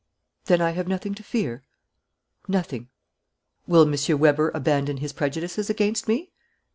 "Then I have nothing to fear?" "Nothing." "Will M. Weber abandon his prejudices against me?"